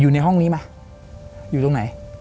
อยู่ในห้องนี้ไหมอยู่ตรงไหน